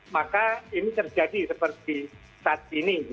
maka ini terjadi seperti saat ini